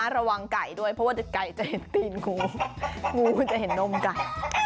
ระวังไก่ด้วยเพราะว่าเด็กไก่จะเห็นตีนงูงูมันจะเห็นนมไก่